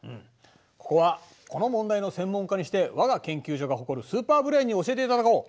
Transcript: ここはこの問題の専門家にしてわが研究所が誇るスーパーブレーンに教えていただこう。